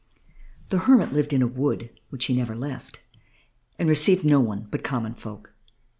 The hermit lived in a wood which he never left, and received none but common folk.